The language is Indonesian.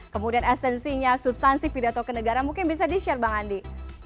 kemudian esensinya substansi pidato kenegaraan mungkin bisa di share bang andi